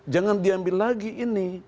jangan diambil lagi ini